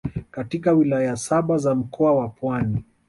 katika Wilaya saba za Mkoa wa Pwani